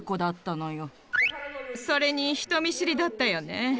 それに人見知りだったよね。